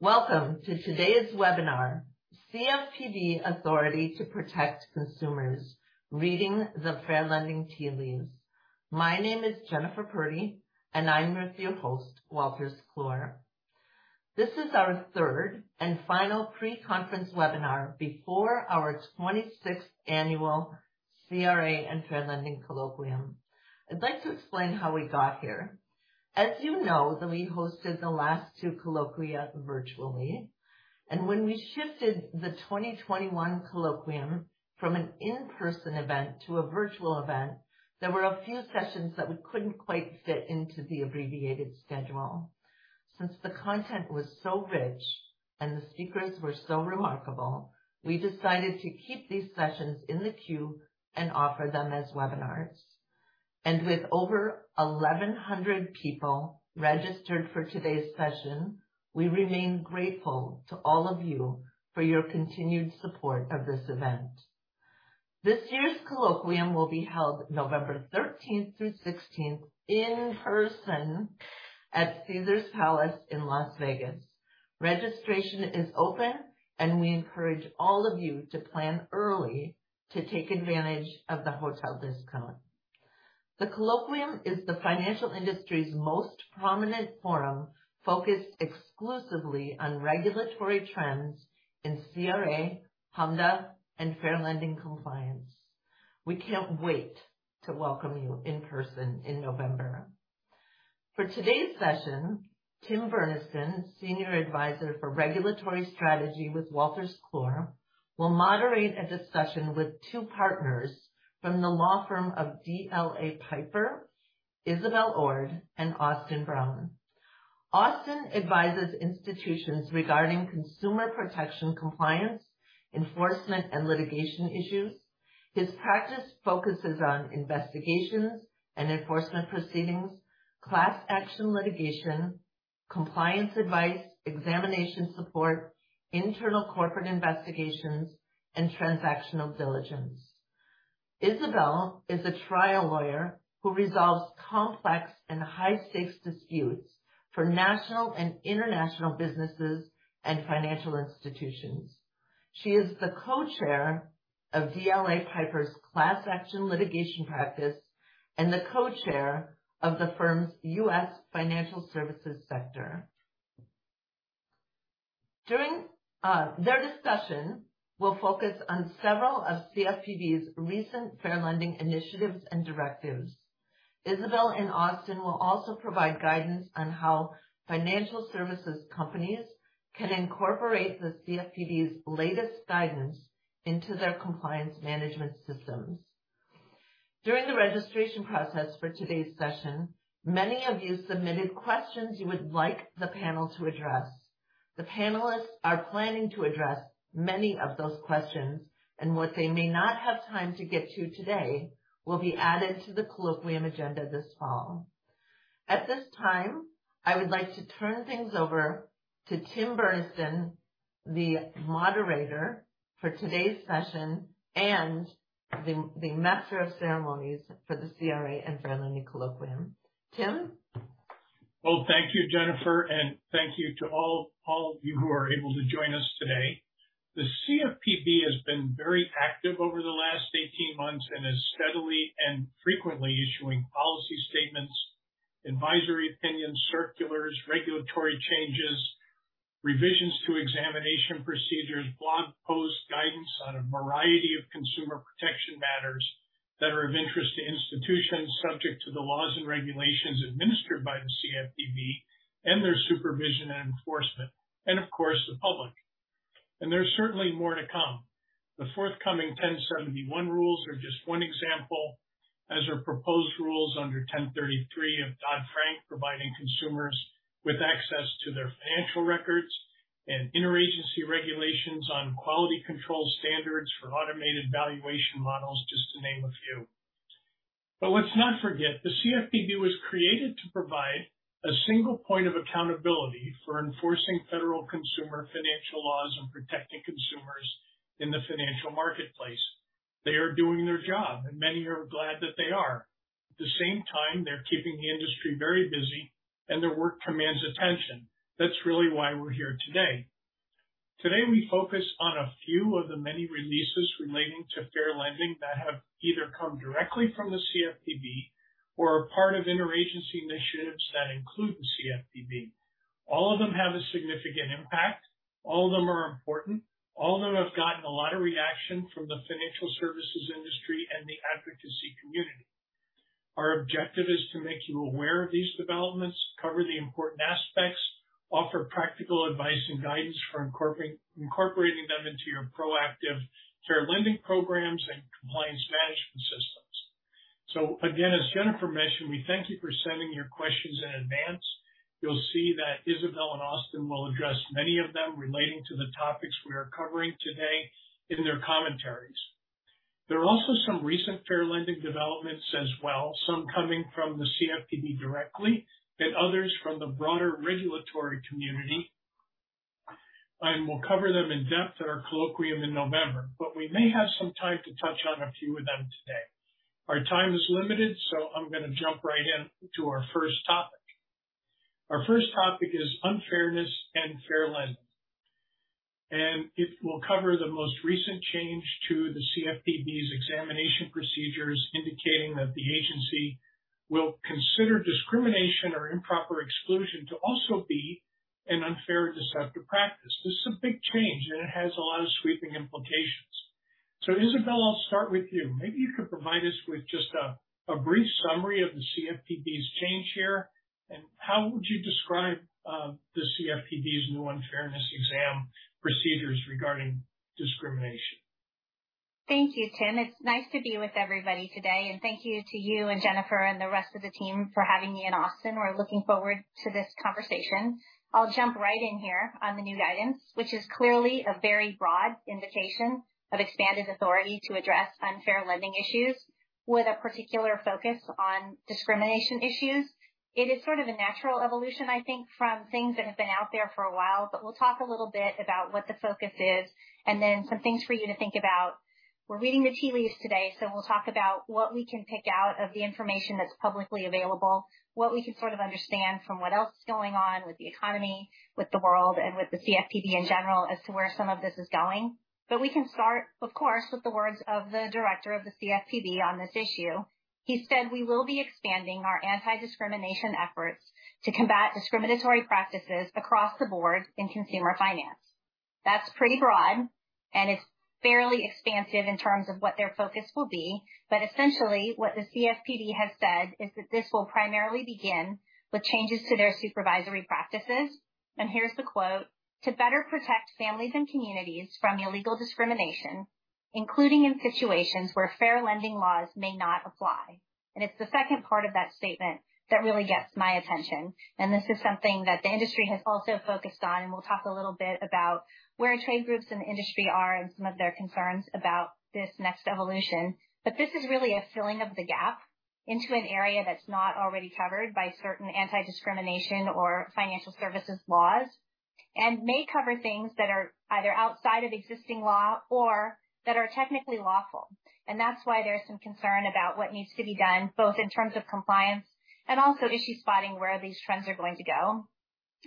Welcome to today's webinar, CFPB Authority to Protect Consumers: Reading the Fair Lending Tea Leaves. My name is Jennifer Purdie, and I'm your host, Wolters Kluwer. This is our third and final pre-conference webinar before our 26th annual CRA and Fair Lending Colloquium. I'd like to explain how we got here. As you know, we hosted the last two colloquia virtually, and when we shifted the 2021 colloquium from an in-person event to a virtual event, there were a few sessions that we couldn't quite fit into the abbreviated schedule. Since the content was so rich and the speakers were so remarkable, we decided to keep these sessions in the queue and offer them as webinars. With over 1,100 people registered for today's session, we remain grateful to all of you for your continued support of this event. This year's colloquium will be held November 13th through 16th in person at Caesars Palace in Las Vegas. Registration is open, and we encourage all of you to plan early to take advantage of the hotel discount. The colloquium is the financial industry's most prominent forum focused exclusively on regulatory trends in CRA, HMDA, and fair lending compliance. We can't wait to welcome you in person in November. For today's session, Tim Burniston, Senior Advisor for Regulatory Strategy with Wolters Kluwer, will moderate a discussion with two partners from the law firm of DLA Piper, Isabelle Ord, and Austin Brown. Austin advises institutions regarding consumer protection compliance, enforcement, and litigation issues. His practice focuses on investigations and enforcement proceedings, class action litigation, compliance advice, examination support, internal corporate investigations, and transactional diligence. Isabelle is a trial lawyer who resolves complex and high-stakes disputes for national and international businesses and financial institutions. She is the co-chair of DLA Piper's class action litigation practice and the co-chair of the firm's U.S. financial services sector. During their discussion, we'll focus on several of CFPB's recent fair lending initiatives and directives. Isabelle and Austin will also provide guidance on how financial services companies can incorporate the CFPB's latest guidance into their compliance management systems. During the registration process for today's session, many of you submitted questions you would like the panel to address. The panelists are planning to address many of those questions, and what they may not have time to get to today will be added to the colloquium agenda this fall. At this time, I would like to turn things over to Tim Bernerson, the moderator for today's session and the master of ceremonies for the CRA and Fair Lending Colloquium. Tim? Thank you, Jennifer, and thank you to all of you who are able to join us today. The CFPB has been very active over the last 18 months and is steadily and frequently issuing policy statements, advisory opinions, circulars, regulatory changes, revisions to examination procedures, blog posts, guidance on a variety of consumer protection matters that are of interest to institutions subject to the laws and regulations administered by the CFPB and their supervision and enforcement, and of course, the public. There is certainly more to come. The forthcoming 1071 rules are just one example, as are proposed rules under 1033 of Dodd-Frank providing consumers with access to their financial records and interagency regulations on quality control standards for automated valuation models, just to name a few. Let's not forget, the CFPB was created to provide a single point of accountability for enforcing federal consumer financial laws and protecting consumers in the financial marketplace. They are doing their job, and many are glad that they are. At the same time, they're keeping the industry very busy, and their work commands attention. That's really why we're here today. Today, we focus on a few of the many releases relating to fair lending that have either come directly from the CFPB or are part of interagency initiatives that include the CFPB. All of them have a significant impact. All of them are important. All of them have gotten a lot of reaction from the financial services industry and the advocacy community. Our objective is to make you aware of these developments, cover the important aspects, offer practical advice and guidance for incorporating them into your proactive fair lending programs and compliance management systems. As Jennifer mentioned, we thank you for sending your questions in advance. You'll see that Isabelle and Austin will address many of them relating to the topics we are covering today in their commentaries. There are also some recent fair lending developments as well, some coming from the CFPB directly and others from the broader regulatory community. We will cover them in depth at our colloquium in November, but we may have some time to touch on a few of them today. Our time is limited, so I'm going to jump right into our first topic. Our first topic is unfairness and fair lending. It will cover the most recent change to the CFPB's examination procedures indicating that the agency will consider discrimination or improper exclusion to also be an unfair and deceptive practice. This is a big change, and it has a lot of sweeping implications. Isabelle, I'll start with you. Maybe you could provide us with just a brief summary of the CFPB's change here, and how would you describe the CFPB's new unfairness exam procedures regarding discrimination? Thank you, Tim. It's nice to be with everybody today, and thank you to you and Jennifer and the rest of the team for having me and Austin. We're looking forward to this conversation. I'll jump right in here on the new guidance, which is clearly a very broad invitation of expanded authority to address unfair lending issues with a particular focus on discrimination issues. It is sort of a natural evolution, I think, from things that have been out there for a while, but we'll talk a little bit about what the focus is and then some things for you to think about. We're reading the tea leaves today, so we'll talk about what we can pick out of the information that's publicly available, what we can sort of understand from what else is going on with the economy, with the world, and with the CFPB in general as to where some of this is going. We can start, of course, with the words of the director of the CFPB on this issue. He said, "We will be expanding our anti-discrimination efforts to combat discriminatory practices across the board in consumer finance." That's pretty broad, and it's fairly expansive in terms of what their focus will be. Essentially, what the CFPB has said is that this will primarily begin with changes to their supervisory practices. Here's the quote, "To better protect families and communities from illegal discrimination, including in situations where fair lending laws may not apply." It is the second part of that statement that really gets my attention. This is something that the industry has also focused on, and we'll talk a little bit about where trade groups in the industry are and some of their concerns about this next evolution. This is really a filling of the gap into an area that is not already covered by certain anti-discrimination or financial services laws and may cover things that are either outside of existing law or that are technically lawful. That is why there is some concern about what needs to be done both in terms of compliance and also issue spotting where these trends are going to go.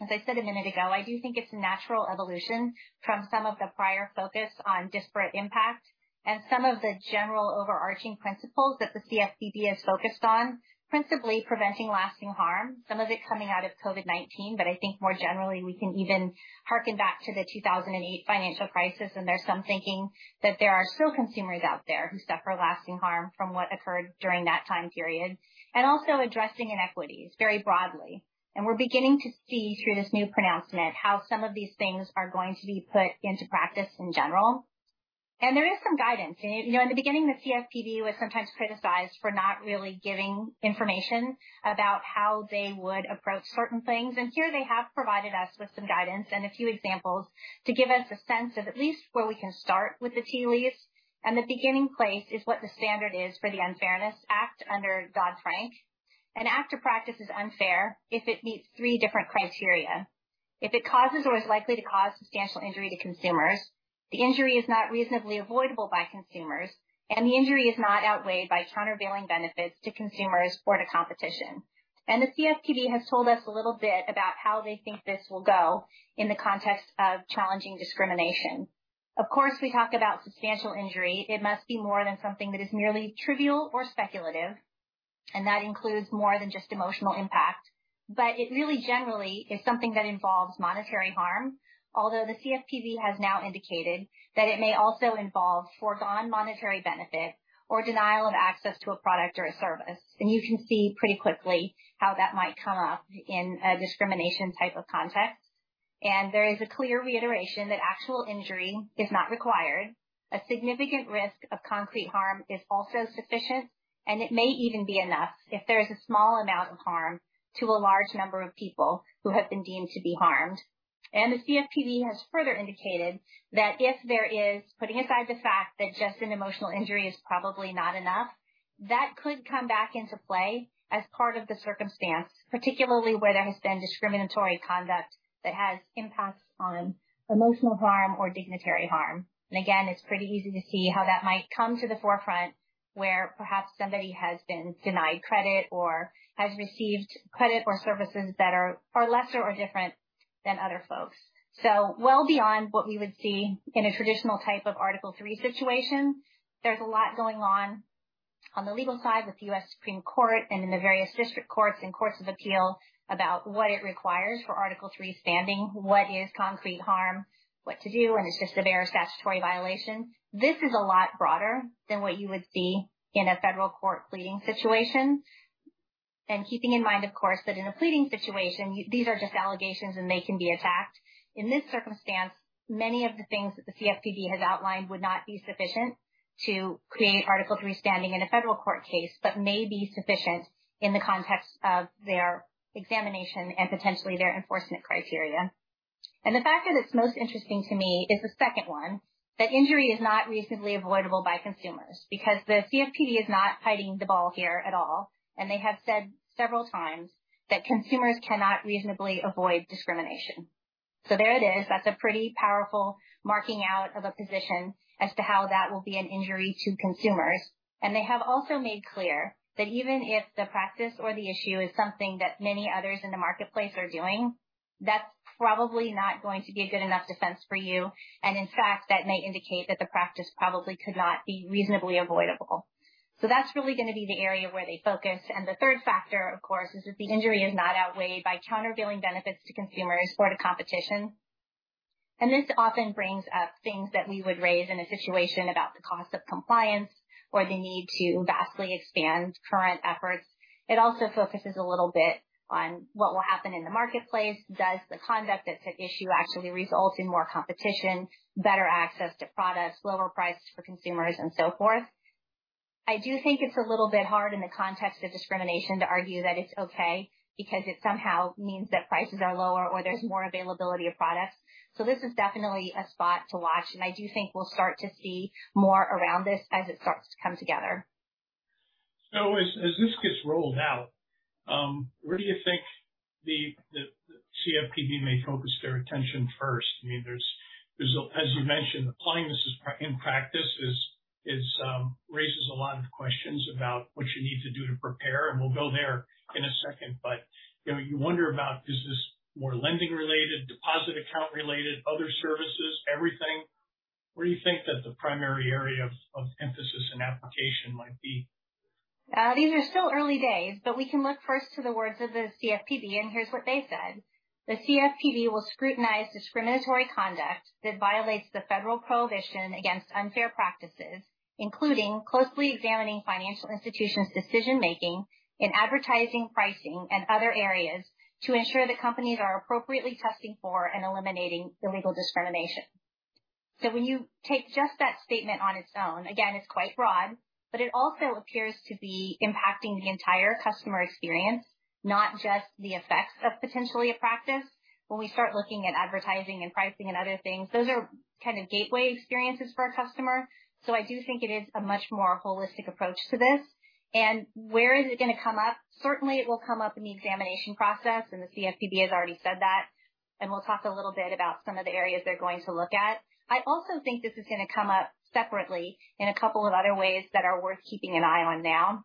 As I said a minute ago, I do think it's a natural evolution from some of the prior focus on disparate impact and some of the general overarching principles that the CFPB has focused on, principally preventing lasting harm, some of it coming out of COVID-19, but I think more generally we can even hearken back to the 2008 financial crisis, and there's some thinking that there are still consumers out there who suffer lasting harm from what occurred during that time period, also addressing inequities very broadly. We're beginning to see through this new pronouncement how some of these things are going to be put into practice in general. There is some guidance. You know, in the beginning, the CFPB was sometimes criticized for not really giving information about how they would approach certain things. They have provided us with some guidance and a few examples to give us a sense of at least where we can start with the tea leaves. The beginning place is what the standard is for the Unfairness Act under Dodd-Frank. An act or practice is unfair if it meets three different criteria: if it causes or is likely to cause substantial injury to consumers, the injury is not reasonably avoidable by consumers, and the injury is not outweighed by countervailing benefits to consumers or to competition. The CFPB has told us a little bit about how they think this will go in the context of challenging discrimination. Of course, we talk about substantial injury. It must be more than something that is merely trivial or speculative, and that includes more than just emotional impact. It really generally is something that involves monetary harm, although the CFPB has now indicated that it may also involve forgone monetary benefit or denial of access to a product or a service. You can see pretty quickly how that might come up in a discrimination type of context. There is a clear reiteration that actual injury is not required. A significant risk of concrete harm is also sufficient, and it may even be enough if there is a small amount of harm to a large number of people who have been deemed to be harmed. The CFPB has further indicated that if there is, putting aside the fact that just an emotional injury is probably not enough, that could come back into play as part of the circumstance, particularly where there has been discriminatory conduct that has impacts on emotional harm or dignitary harm. Again, it's pretty easy to see how that might come to the forefront where perhaps somebody has been denied credit or has received credit or services that are lesser or different than other folks. Well beyond what we would see in a traditional type of Article III situation, there's a lot going on on the legal side with the U.S. Supreme Court and in the various district courts and courts of appeal about what it requires for Article III standing, what is concrete harm, what to do when it's just a bare statutory violation. This is a lot broader than what you would see in a federal court pleading situation. Keeping in mind, of course, that in a pleading situation, these are just allegations and they can be attacked. In this circumstance, many of the things that the CFPB has outlined would not be sufficient to create Article III standing in a federal court case, but may be sufficient in the context of their examination and potentially their enforcement criteria. The factor that's most interesting to me is the second one, that injury is not reasonably avoidable by consumers because the CFPB is not hiding the ball here at all. They have said several times that consumers cannot reasonably avoid discrimination. There it is. That's a pretty powerful marking out of a position as to how that will be an injury to consumers. They have also made clear that even if the practice or the issue is something that many others in the marketplace are doing, that's probably not going to be a good enough defense for you. In fact, that may indicate that the practice probably could not be reasonably avoidable. That is really going to be the area where they focus. The third factor, of course, is that the injury is not outweighed by countervailing benefits to consumers or to competition. This often brings up things that we would raise in a situation about the cost of compliance or the need to vastly expand current efforts. It also focuses a little bit on what will happen in the marketplace. Does the conduct that is at issue actually result in more competition, better access to products, lower prices for consumers, and so forth? I do think it is a little bit hard in the context of discrimination to argue that it is okay because it somehow means that prices are lower or there is more availability of products. This is definitely a spot to watch, and I do think we'll start to see more around this as it starts to come together. As this gets rolled out, where do you think the CFPB may focus their attention first? I mean, there's, as you mentioned, applying this in practice raises a lot of questions about what you need to do to prepare, and we'll go there in a second. You wonder about, is this more lending related, deposit account related, other services, everything? Where do you think that the primary area of emphasis and application might be? These are still early days, but we can look first to the words of the CFPB, and here's what they said. The CFPB will scrutinize discriminatory conduct that violates the federal prohibition against unfair practices, including closely examining financial institutions' decision-making in advertising, pricing, and other areas to ensure that companies are appropriately testing for and eliminating illegal discrimination. When you take just that statement on its own, again, it's quite broad, but it also appears to be impacting the entire customer experience, not just the effects of potentially a practice. When we start looking at advertising and pricing and other things, those are kind of gateway experiences for a customer. I do think it is a much more holistic approach to this. Where is it going to come up? Certainly, it will come up in the examination process, and the CFPB has already said that. We will talk a little bit about some of the areas they are going to look at. I also think this is going to come up separately in a couple of other ways that are worth keeping an eye on now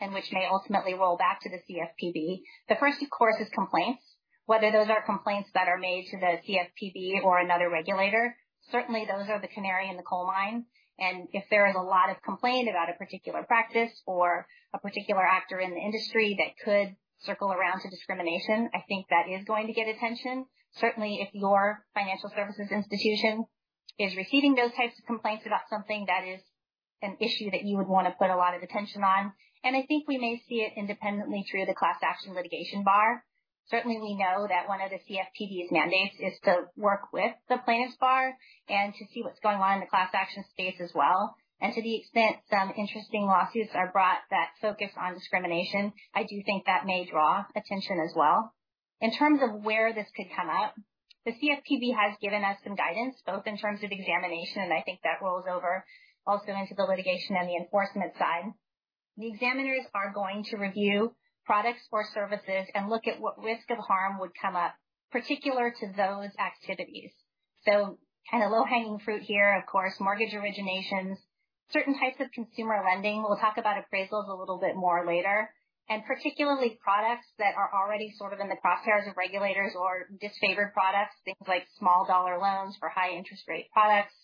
and which may ultimately roll back to the CFPB. The first, of course, is complaints. Whether those are complaints that are made to the CFPB or another regulator, certainly those are the canary in the coal mine. If there is a lot of complaint about a particular practice or a particular actor in the industry that could circle around to discrimination, I think that is going to get attention. Certainly, if your financial services institution is receiving those types of complaints about something that is an issue that you would want to put a lot of attention on. I think we may see it independently through the class action litigation bar. Certainly, we know that one of the CFPB's mandates is to work with the plaintiff's bar and to see what's going on in the class action space as well. To the extent some interesting lawsuits are brought that focus on discrimination, I do think that may draw attention as well. In terms of where this could come up, the CFPB has given us some guidance both in terms of examination, and I think that rolls over also into the litigation and the enforcement side. The examiners are going to review products or services and look at what risk of harm would come up particular to those activities. Kind of low-hanging fruit here, of course, mortgage originations, certain types of consumer lending. We'll talk about appraisals a little bit more later, and particularly products that are already sort of in the crosshairs of regulators or disfavored products, things like small-dollar loans or high-interest-rate products.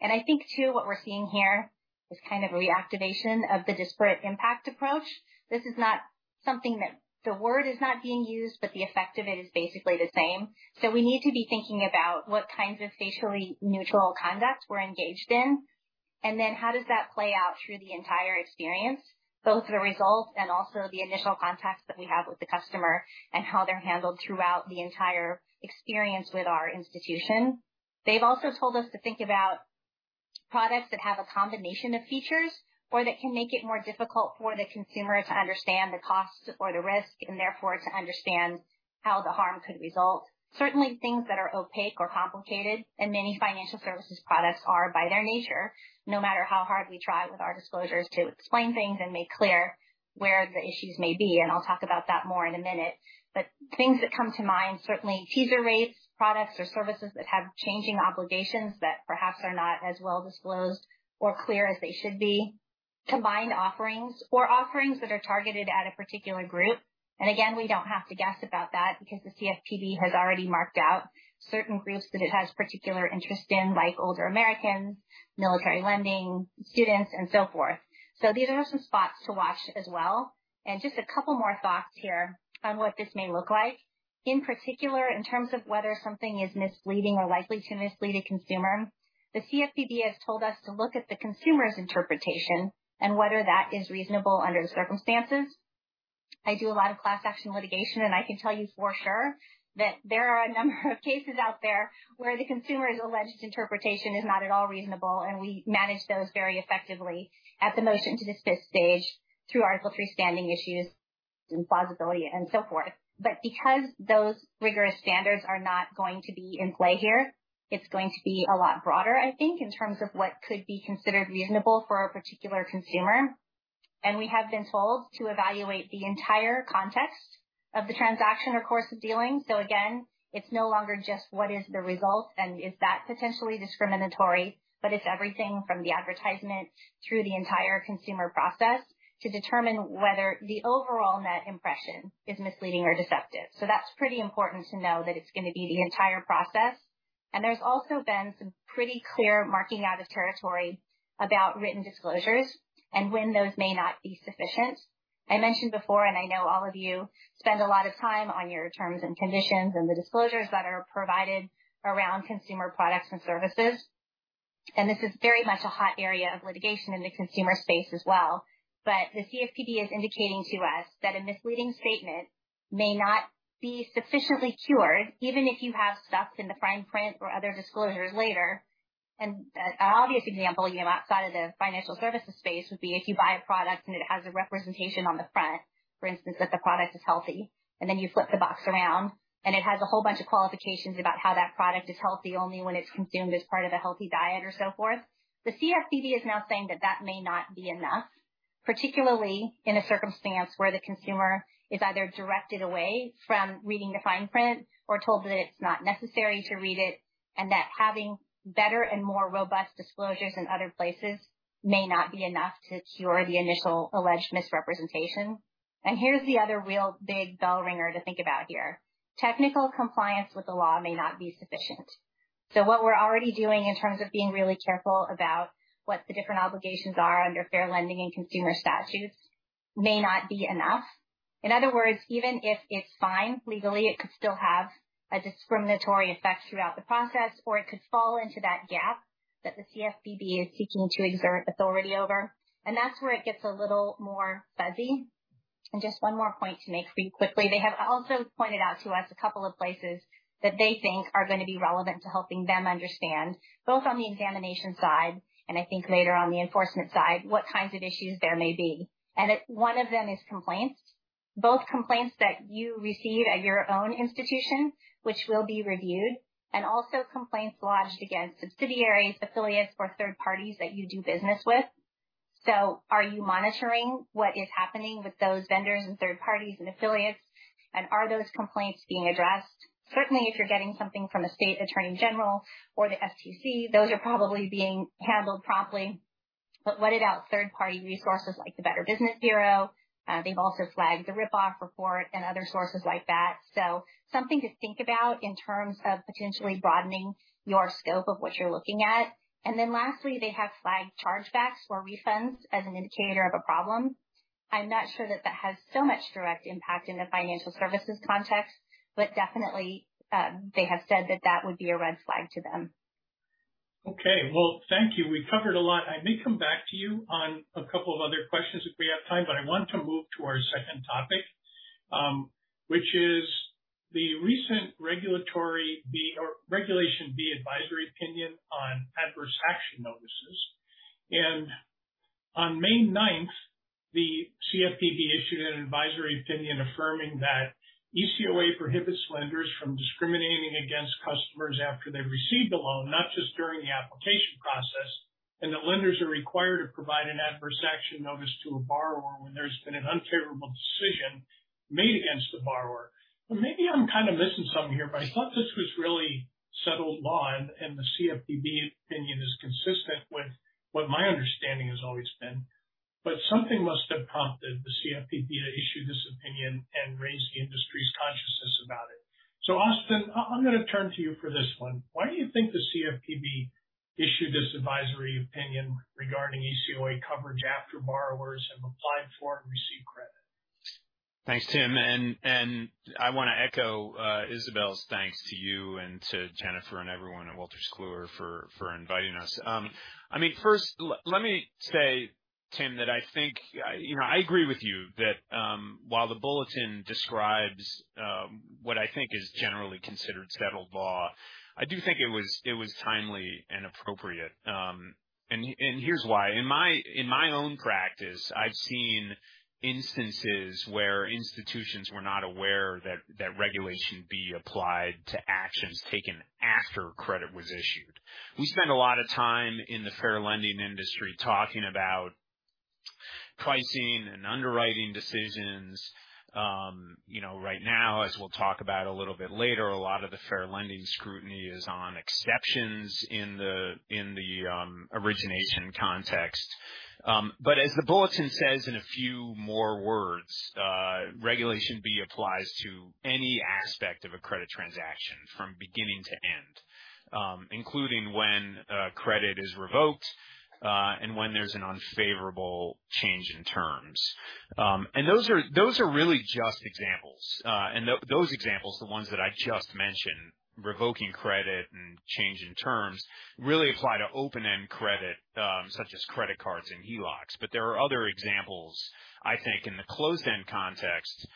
I think, too, what we're seeing here is kind of a reactivation of the disparate impact approach. This is not something that the word is not being used, but the effect of it is basically the same. We need to be thinking about what kinds of facially neutral conduct we're engaged in, and then how does that play out through the entire experience, both the results and also the initial contacts that we have with the customer and how they're handled throughout the entire experience with our institution. They've also told us to think about products that have a combination of features or that can make it more difficult for the consumer to understand the cost or the risk and therefore to understand how the harm could result. Certainly, things that are opaque or complicated, and many financial services products are by their nature, no matter how hard we try with our disclosures to explain things and make clear where the issues may be. I'll talk about that more in a minute. Things that come to mind, certainly teaser rates, products or services that have changing obligations that perhaps are not as well disclosed or clear as they should be, combined offerings or offerings that are targeted at a particular group. We do not have to guess about that because the CFPB has already marked out certain groups that it has particular interest in, like older Americans, military lending, students, and so forth. These are some spots to watch as well. Just a couple more thoughts here on what this may look like, in particular in terms of whether something is misleading or likely to mislead a consumer. The CFPB has told us to look at the consumer's interpretation and whether that is reasonable under the circumstances. I do a lot of class action litigation, and I can tell you for sure that there are a number of cases out there where the consumer's alleged interpretation is not at all reasonable, and we manage those very effectively at the motion-to-dismiss stage through Article III standing issues and plausibility and so forth. Because those rigorous standards are not going to be in play here, it's going to be a lot broader, I think, in terms of what could be considered reasonable for a particular consumer. We have been told to evaluate the entire context of the transaction or course of dealing. Again, it's no longer just what is the result and is that potentially discriminatory, but it's everything from the advertisement through the entire consumer process to determine whether the overall net impression is misleading or deceptive. That's pretty important to know that it's going to be the entire process. There's also been some pretty clear marking out of territory about written disclosures and when those may not be sufficient. I mentioned before, and I know all of you spend a lot of time on your terms and conditions and the disclosures that are provided around consumer products and services. This is very much a hot area of litigation in the consumer space as well. The CFPB is indicating to us that a misleading statement may not be sufficiently cured, even if you have stuff in the fine print or other disclosures later. An obvious example, you know, outside of the financial services space would be if you buy a product and it has a representation on the front, for instance, that the product is healthy, and then you flip the box around and it has a whole bunch of qualifications about how that product is healthy only when it's consumed as part of a healthy diet or so forth. The CFPB is now saying that that may not be enough, particularly in a circumstance where the consumer is either directed away from reading the fine print or told that it's not necessary to read it, and that having better and more robust disclosures in other places may not be enough to cure the initial alleged misrepresentation. Here's the other real big bell ringer to think about here. Technical compliance with the law may not be sufficient. What we're already doing in terms of being really careful about what the different obligations are under fair lending and consumer statutes may not be enough. In other words, even if it's fine legally, it could still have a discriminatory effect throughout the process, or it could fall into that gap that the CFPB is seeking to exert authority over. That's where it gets a little more fuzzy. Just one more point to make for you quickly. They have also pointed out to us a couple of places that they think are going to be relevant to helping them understand both on the examination side and, I think, later on the enforcement side what kinds of issues there may be. One of them is complaints. Both complaints that you receive at your own institution, which will be reviewed, and also complaints lodged against subsidiaries, affiliates, or third parties that you do business with. Are you monitoring what is happening with those vendors and third parties and affiliates, and are those complaints being addressed? Certainly, if you're getting something from a state attorney general or the FTC, those are probably being handled promptly. What about third-party resources like the Better Business Bureau? They have also flagged the Ripoff Report and other sources like that. Something to think about in terms of potentially broadening your scope of what you're looking at. Lastly, they have flagged chargebacks or refunds as an indicator of a problem. I'm not sure that that has so much direct impact in the financial services context, but definitely they have said that that would be a red flag to them. Okay. Thank you. We covered a lot. I may come back to you on a couple of other questions if we have time, but I want to move to our second topic, which is the recent Regulation B advisory opinion on adverse action notices. On May 9th, the CFPB issued an advisory opinion affirming that ECOA prohibits lenders from discriminating against customers after they've received a loan, not just during the application process, and that lenders are required to provide an adverse action notice to a borrower when there's been an unfavorable decision made against the borrower. Maybe I'm kind of missing some here, but I thought this was really settled law, and the CFPB opinion is consistent with what my understanding has always been. Something must have prompted the CFPB to issue this opinion and raise the industry's consciousness about it. Austin, I'm going to turn to you for this one. Why do you think the CFPB issued this advisory opinion regarding ECOA coverage after borrowers have applied for and received credit? Thanks, Tim. I want to echo Isabelle's thanks to you and to Jennifer and everyone at Wolters Kluwer for inviting us. I mean, first, let me say, Tim, that I think, you know, I agree with you that while the bulletin describes what I think is generally considered settled law, I do think it was timely and appropriate. Here's why. In my own practice, I've seen instances where institutions were not aware that Regulation B applied to actions taken after credit was issued. We spend a lot of time in the fair lending industry talking about pricing and underwriting decisions. You know, right now, as we'll talk about a little bit later, a lot of the fair lending scrutiny is on exceptions in the origination context. As the bulletin says in a few more words, Regulation B applies to any aspect of a credit transaction from beginning to end, including when credit is revoked and when there's an unfavorable change in terms. Those are really just examples. Those examples, the ones that I just mentioned, revoking credit and change in terms, really apply to open-end credit such as credit cards and HELOCs. There are other examples, I think, in the closed-end context,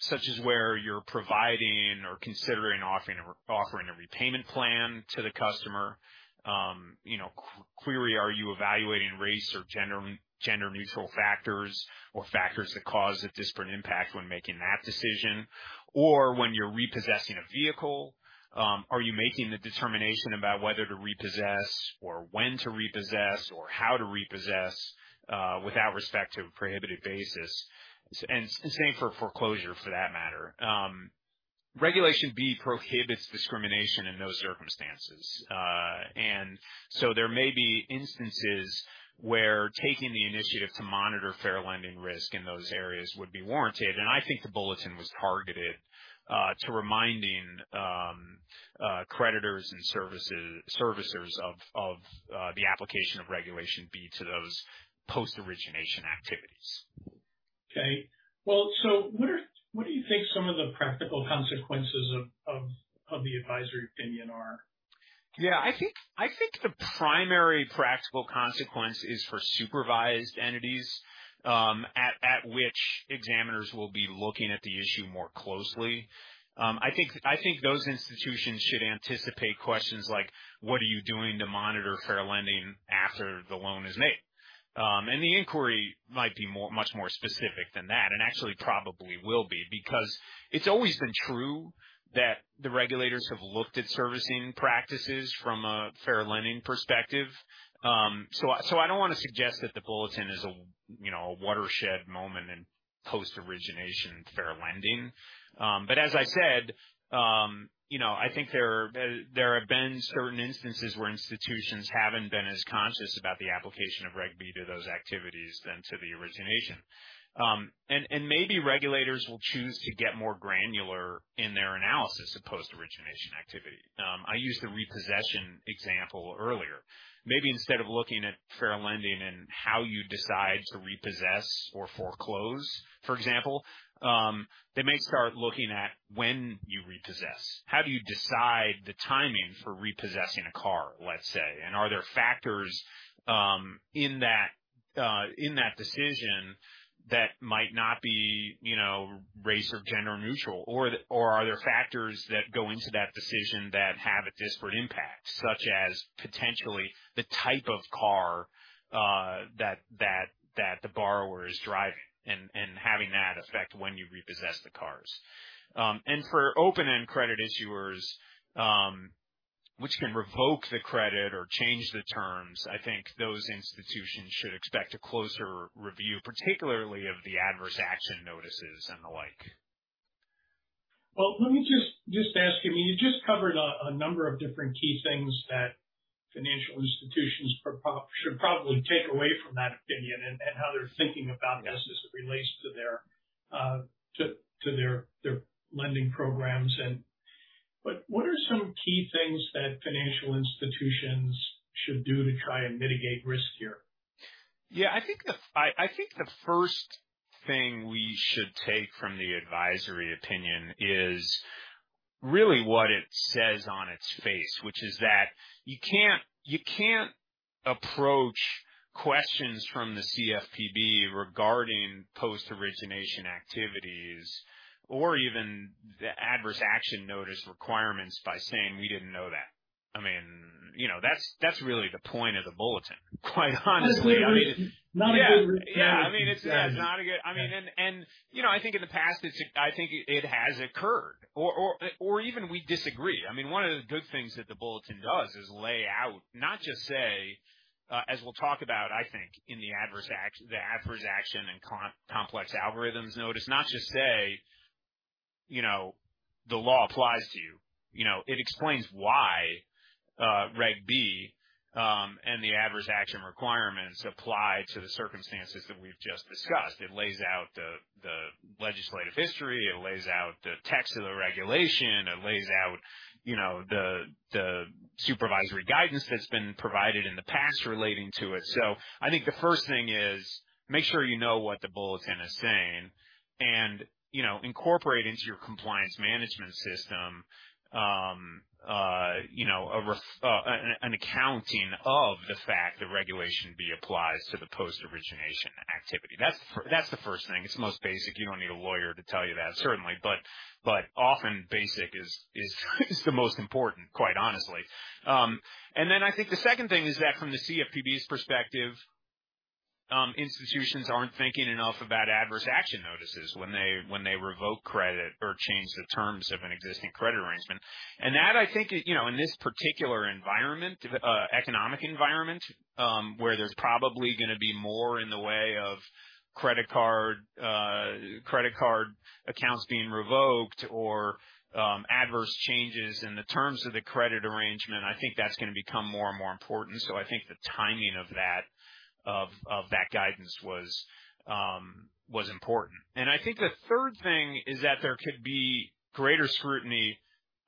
such as where you're providing or considering offering a repayment plan to the customer. You know, query, are you evaluating race or gender-neutral factors or factors that cause a disparate impact when making that decision? Or when you're repossessing a vehicle, are you making the determination about whether to repossess or when to repossess or how to repossess without respect to a prohibited basis? Same for foreclosure, for that matter. Regulation B prohibits discrimination in those circumstances. There may be instances where taking the initiative to monitor fair lending risk in those areas would be warranted. I think the bulletin was targeted to reminding creditors and servicers of the application of Regulation B to those post-origination activities. Okay. What do you think some of the practical consequences of the advisory opinion are? Yeah. I think the primary practical consequence is for supervised entities at which examiners will be looking at the issue more closely. I think those institutions should anticipate questions like, what are you doing to monitor fair lending after the loan is made? The inquiry might be much more specific than that, and actually probably will be, because it's always been true that the regulators have looked at servicing practices from a fair lending perspective. I don't want to suggest that the bulletin is a watershed moment in post-origination fair lending. As I said, you know, I think there have been certain instances where institutions haven't been as conscious about the application of Reg B to those activities than to the origination. Maybe regulators will choose to get more granular in their analysis of post-origination activity. I used the repossession example earlier. Maybe instead of looking at fair lending and how you decide to repossess or foreclose, for example, they may start looking at when you repossess. How do you decide the timing for repossessing a car, let's say? And are there factors in that decision that might not be, you know, race or gender-neutral? Or are there factors that go into that decision that have a disparate impact, such as potentially the type of car that the borrower is driving and having that affect when you repossess the cars? For open-end credit issuers, which can revoke the credit or change the terms, I think those institutions should expect a closer review, particularly of the adverse action notices and the like. Let me just ask you. I mean, you just covered a number of different key things that financial institutions should probably take away from that opinion and how they're thinking about this as it relates to their lending programs. What are some key things that financial institutions should do to try and mitigate risk here? Yeah. I think the first thing we should take from the advisory opinion is really what it says on its face, which is that you can't approach questions from the CFPB regarding post-origination activities or even the adverse action notice requirements by saying, "We didn't know that." I mean, you know, that's really the point of the bulletin, quite honestly. Not a good. Yeah. I mean, it's not a good. I mean, and you know, I think in the past, I think it has occurred, or even we disagree. I mean, one of the good things that the bulletin does is lay out, not just say, as we'll talk about, I think, in the adverse action and complex algorithms notice, not just say, you know, the law applies to you. You know, it explains why Reg B and the adverse action requirements apply to the circumstances that we've just discussed. It lays out the legislative history. It lays out the text of the regulation. It lays out, you know, the supervisory guidance that's been provided in the past relating to it. I think the first thing is make sure you know what the bulletin is saying and, you know, incorporate into your compliance management system, you know, an accounting of the fact that Regulation B applies to the post-origination activity. That is the first thing. It is the most basic. You do not need a lawyer to tell you that, certainly. Often basic is the most important, quite honestly. I think the second thing is that from the CFPB's perspective, institutions are not thinking enough about adverse action notices when they revoke credit or change the terms of an existing credit arrangement. That, I think, you know, in this particular economic environment where there is probably going to be more in the way of credit card accounts being revoked or adverse changes in the terms of the credit arrangement, I think that is going to become more and more important. I think the timing of that guidance was important. I think the third thing is that there could be greater scrutiny,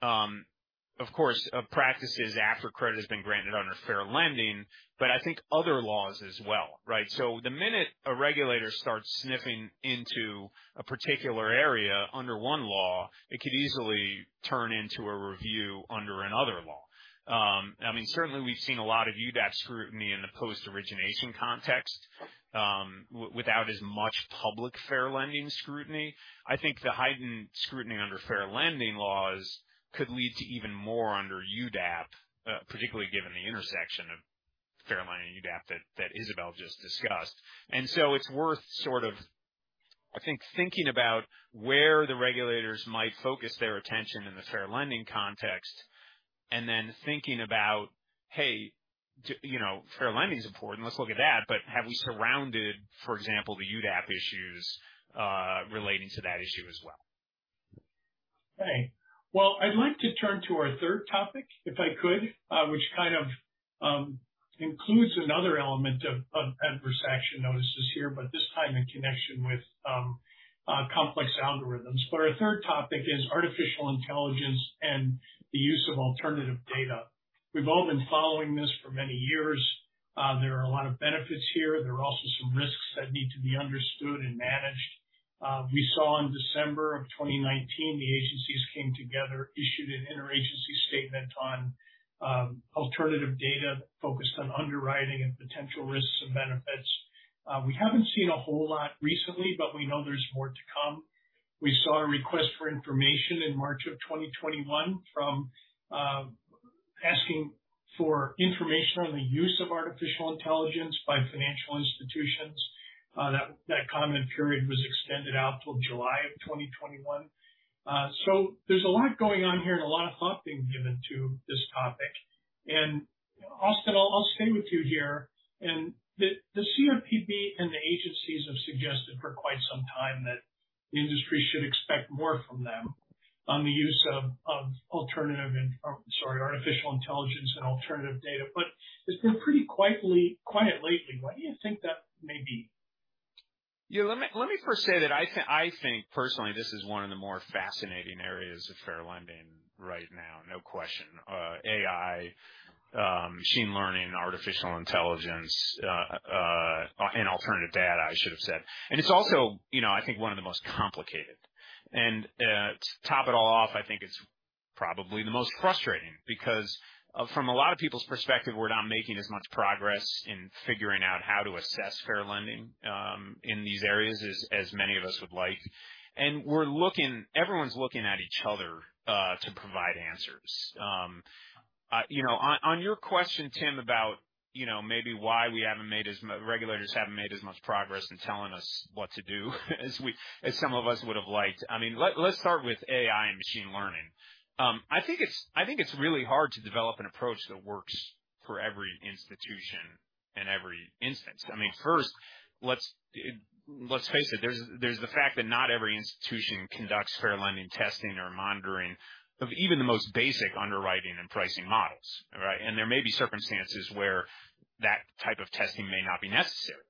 of course, of practices after credit has been granted under fair lending, but I think other laws as well, right? The minute a regulator starts sniffing into a particular area under one law, it could easily turn into a review under another law. I mean, certainly we've seen a lot of UDAP scrutiny in the post-origination context without as much public fair lending scrutiny. I think the heightened scrutiny under fair lending laws could lead to even more under UDAP, particularly given the intersection of fair lending and UDAP that Isabelle just discussed. It is worth sort of, I think, thinking about where the regulators might focus their attention in the fair lending context and then thinking about, hey, you know, fair lending is important. Let's look at that, but have we surrounded, for example, the UDAP issues relating to that issue as well? Okay. I would like to turn to our third topic, if I could, which kind of includes another element of adverse action notices here, but this time in connection with complex algorithms. Our third topic is artificial intelligence and the use of alternative data. We have all been following this for many years. There are a lot of benefits here. There are also some risks that need to be understood and managed. We saw in December of 2019, the agencies came together, issued an interagency statement on alternative data focused on underwriting and potential risks and benefits. We have not seen a whole lot recently, but we know there is more to come. We saw a request for information in March of 2021 asking for information on the use of artificial intelligence by financial institutions. That comment period was extended out till July of 2021. There is a lot going on here and a lot of thought being given to this topic. Austin, I'll stay with you here. The CFPB and the agencies have suggested for quite some time that the industry should expect more from them on the use of artificial intelligence and alternative data. It's been pretty quiet lately. Why do you think that may be? Yeah. Let me first say that I think, personally, this is one of the more fascinating areas of fair lending right now, no question. AI, machine learning, artificial intelligence, and alternative data, I should have said. It's also, you know, I think one of the most complicated. To top it all off, I think it's probably the most frustrating because from a lot of people's perspective, we're not making as much progress in figuring out how to assess fair lending in these areas as many of us would like. We're looking, everyone's looking at each other to provide answers. You know, on your question, Tim, about, you know, maybe why we haven't made as much, regulators haven't made as much progress in telling us what to do as some of us would have liked. I mean, let's start with AI and machine learning. I think it's really hard to develop an approach that works for every institution in every instance. I mean, first, let's face it, there's the fact that not every institution conducts fair lending testing or monitoring of even the most basic underwriting and pricing models, right? There may be circumstances where that type of testing may not be necessary.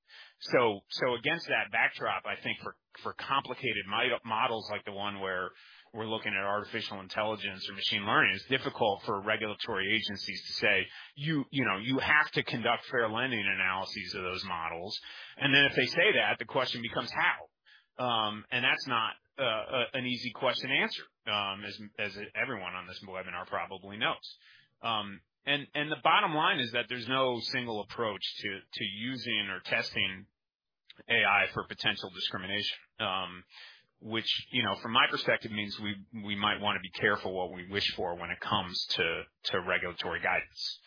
Against that backdrop, I think for complicated models like the one where we're looking at artificial intelligence or machine learning, it's difficult for regulatory agencies to say, you know, you have to conduct fair lending analyses of those models. If they say that, the question becomes how. That's not an easy question to answer, as everyone on this webinar probably knows. The bottom line is that there's no single approach to using or testing AI for potential discrimination, which, you know, from my perspective, means we might want to be careful what we wish for when it comes to regulatory guidance.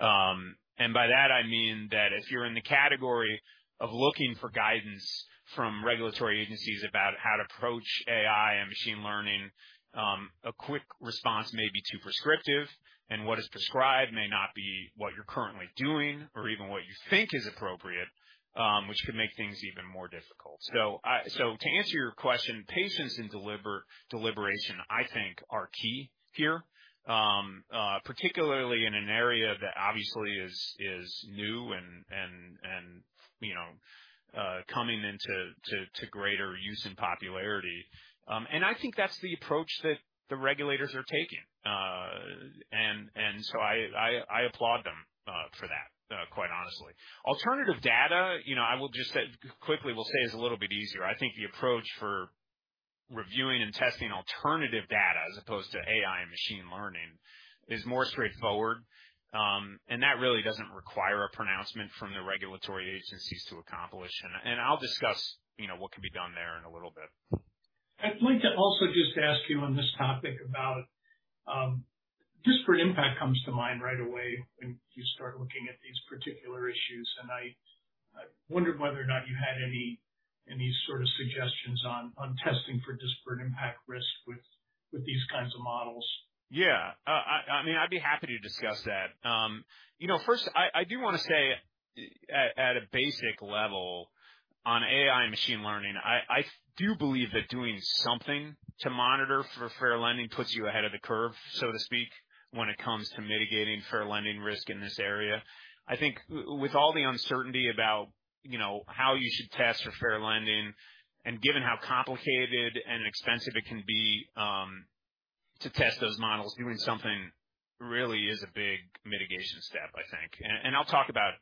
By that, I mean that if you're in the category of looking for guidance from regulatory agencies about how to approach AI and machine learning, a quick response may be too prescriptive, and what is prescribed may not be what you're currently doing or even what you think is appropriate, which could make things even more difficult. To answer your question, patience and deliberation, I think, are key here, particularly in an area that obviously is new and, you know, coming into greater use and popularity. I think that's the approach that the regulators are taking. I applaud them for that, quite honestly. Alternative data, you know, I will just quickly will say is a little bit easier. I think the approach for reviewing and testing alternative data as opposed to AI and machine learning is more straightforward. That really doesn't require a pronouncement from the regulatory agencies to accomplish. I will discuss, you know, what can be done there in a little bit. I'd like to also just ask you on this topic about disparate impact comes to mind right away when you start looking at these particular issues. I wondered whether or not you had any sort of suggestions on testing for disparate impact risk with these kinds of models. Yeah. I mean, I'd be happy to discuss that. You know, first, I do want to say at a basic level on AI and machine learning, I do believe that doing something to monitor for fair lending puts you ahead of the curve, so to speak, when it comes to mitigating fair lending risk in this area. I think with all the uncertainty about, you know, how you should test for fair lending and given how complicated and expensive it can be to test those models, doing something really is a big mitigation step, I think. I'll talk about,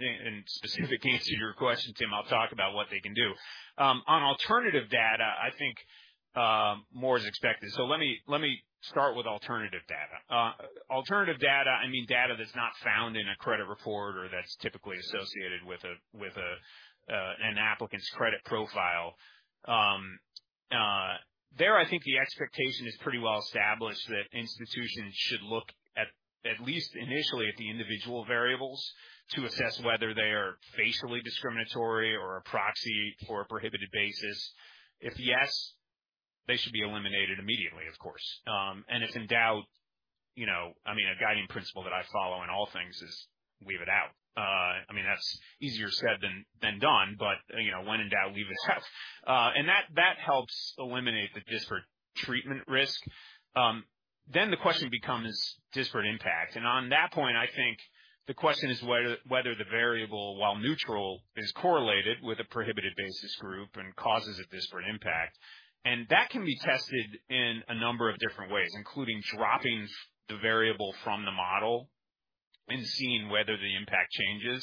in specific answer to your question, Tim, what they can do. On alternative data, I think more is expected. Let me start with alternative data. Alternative data, I mean data that's not found in a credit report or that's typically associated with an applicant's credit profile. There, I think the expectation is pretty well established that institutions should look at least initially at the individual variables to assess whether they are facially discriminatory or a proxy or a prohibited basis. If yes, they should be eliminated immediately, of course. If in doubt, you know, I mean, a guiding principle that I follow in all things is leave it out. I mean, that's easier said than done, but you know, when in doubt, leave it out. That helps eliminate the disparate treatment risk. The question becomes disparate impact. On that point, I think the question is whether the variable, while neutral, is correlated with a prohibited basis group and causes a disparate impact. That can be tested in a number of different ways, including dropping the variable from the model and seeing whether the impact changes.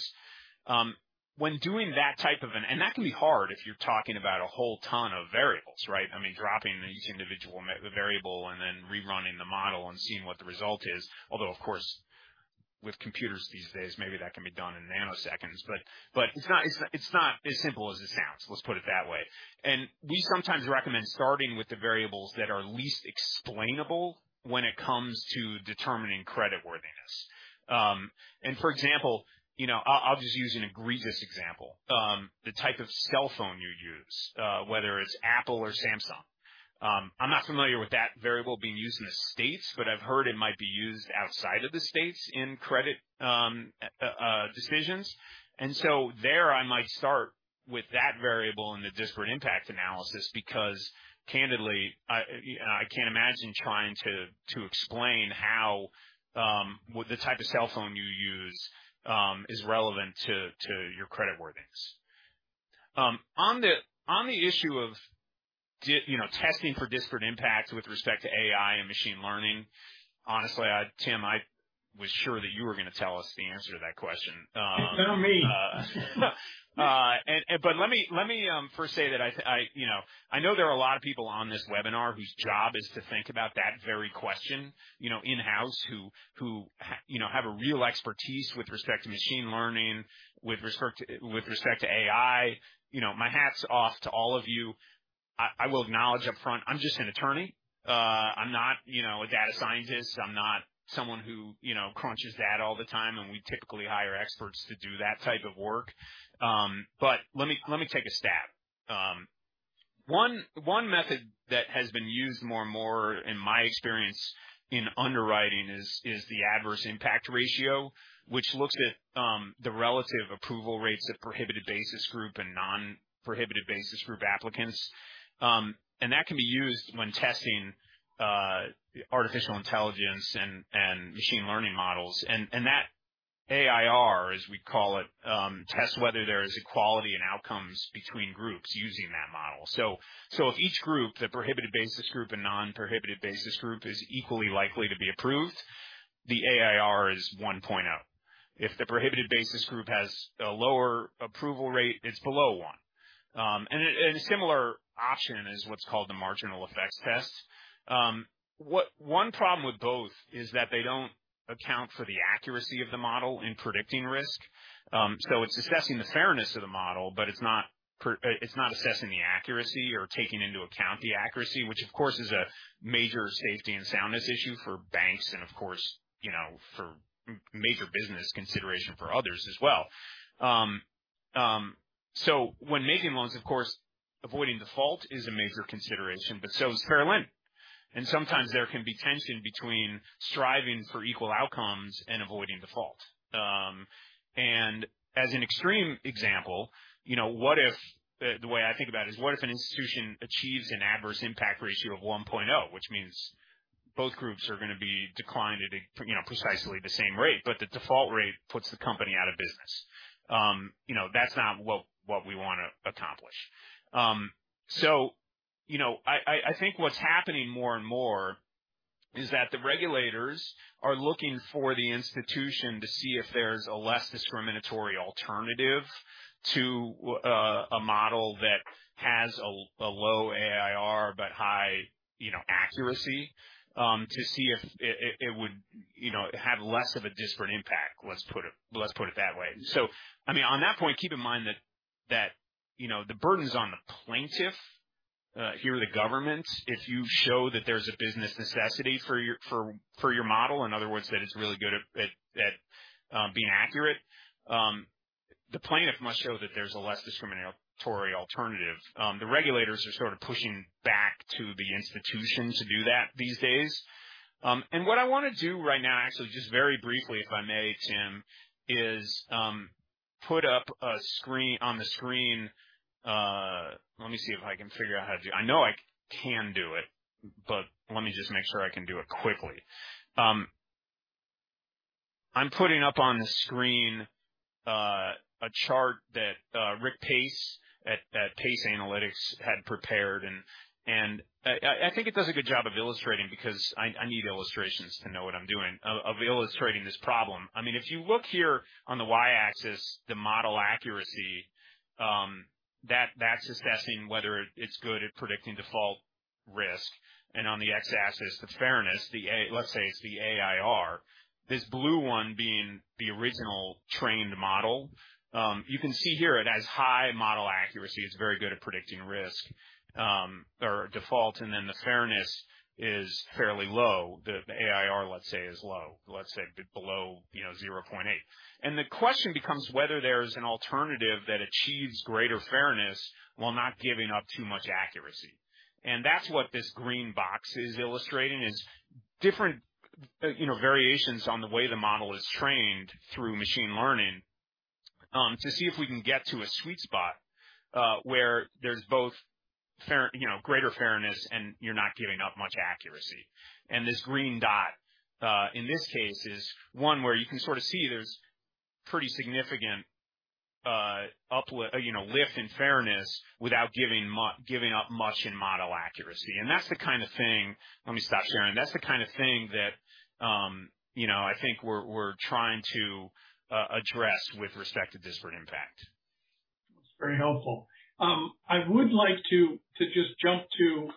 When doing that type of an, and that can be hard if you're talking about a whole ton of variables, right? I mean, dropping each individual variable and then rerunning the model and seeing what the result is, although, of course, with computers these days, maybe that can be done in nanoseconds, but it's not as simple as it sounds. Let's put it that way. We sometimes recommend starting with the variables that are least explainable when it comes to determining creditworthiness. For example, you know, I'll just use an egregious example. The type of cell phone you use, whether it's Apple or Samsung. I'm not familiar with that variable being used in the States, but I've heard it might be used outside of the States in credit decisions. There, I might start with that variable in the disparate impact analysis because candidly, I can't imagine trying to explain how the type of cell phone you use is relevant to your creditworthiness. On the issue of, you know, testing for disparate impact with respect to AI and machine learning, honestly, Tim, I was sure that you were going to tell us the answer to that question. It's on me. Let me first say that I, you know, I know there are a lot of people on this webinar whose job is to think about that very question, you know, in-house, who, you know, have a real expertise with respect to machine learning, with respect to AI. You know, my hat's off to all of you. I will acknowledge upfront, I'm just an attorney. I'm not, you know, a data scientist. I'm not someone who, you know, crunches data all the time, and we typically hire experts to do that type of work. Let me take a stab. One method that has been used more and more, in my experience, in underwriting is the adverse impact ratio, which looks at the relative approval rates of prohibited basis group and non-prohibited basis group applicants. That can be used when testing artificial intelligence and machine learning models. That AIR, as we call it, tests whether there is equality in outcomes between groups using that model. If each group, the prohibited basis group and non-prohibited basis group, is equally likely to be approved, the AIR is 1.0. If the prohibited basis group has a lower approval rate, it's below one. A similar option is what's called the marginal effects test. One problem with both is that they don't account for the accuracy of the model in predicting risk. It's assessing the fairness of the model, but it's not assessing the accuracy or taking into account the accuracy, which, of course, is a major safety and soundness issue for banks and, of course, you know, for major business consideration for others as well. When making loans, of course, avoiding default is a major consideration, but so is fair lending. Sometimes there can be tension between striving for equal outcomes and avoiding default. As an extreme example, you know, what if, the way I think about it is what if an institution achieves an adverse impact ratio of 1.0, which means both groups are going to be declined at, you know, precisely the same rate, but the default rate puts the company out of business. You know, that's not what we want to accomplish. You know, I think what's happening more and more is that the regulators are looking for the institution to see if there's a less discriminatory alternative to a model that has a low AIR but high, you know, accuracy to see if it would, you know, have less of a disparate impact. Let's put it that way. I mean, on that point, keep in mind that, you know, the burden's on the plaintiff, here the government, if you show that there's a business necessity for your model, in other words, that it's really good at being accurate, the plaintiff must show that there's a less discriminatory alternative. The regulators are sort of pushing back to the institution to do that these days. What I want to do right now, actually, just very briefly, if I may, Tim, is put up a screen on the screen. Let me see if I can figure out how to do it. I know I can do it, but let me just make sure I can do it quickly. I'm putting up on the screen a chart that Ric Pace at Pace Analytics had prepared. I think it does a good job of illustrating because I need illustrations to know what I'm doing, of illustrating this problem. I mean, if you look here on the y-axis, the model accuracy, that's assessing whether it's good at predicting default risk. On the x-axis, the fairness, let's say it's the AIR, this blue one being the original trained model, you can see here it has high model accuracy. It's very good at predicting risk or default. The fairness is fairly low. The AIR, let's say, is low, let's say below, you know, 0.8. The question becomes whether there is an alternative that achieves greater fairness while not giving up too much accuracy. That is what this green box is illustrating, is different, you know, variations on the way the model is trained through machine learning to see if we can get to a sweet spot where there is both, you know, greater fairness and you are not giving up much accuracy. This green dot in this case is one where you can sort of see there is pretty significant, you know, lift in fairness without giving up much in model accuracy. That is the kind of thing, let me stop sharing, that is the kind of thing that, you know, I think we are trying to address with respect to disparate impact. That's very helpful. I would like to just jump to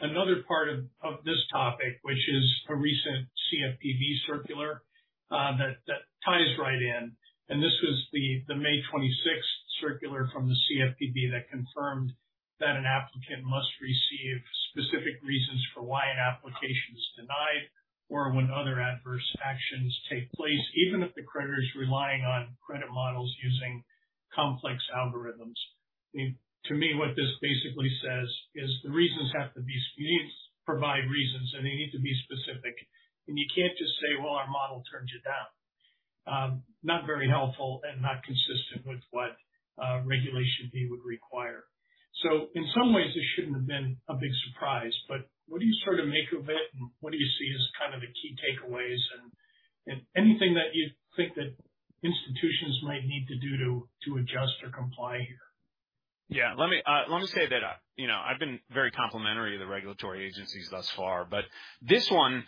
another part of this topic, which is a recent CFPB circular that ties right in. This was the May 26th circular from the CFPB that confirmed that an applicant must receive specific reasons for why an application is denied or when other adverse actions take place, even if the creditors are relying on credit models using complex algorithms. I mean, to me, what this basically says is the reasons have to be provide reasons, and they need to be specific. You can't just say, "Well, our model turned you down." Not very helpful and not consistent with what Regulation B would require. In some ways, this shouldn't have been a big surprise, but what do you sort of make of it, and what do you see as kind of the key takeaways and anything that you think that institutions might need to do to adjust or comply here? Yeah. Let me say that, you know, I've been very complimentary of the regulatory agencies thus far, but this one,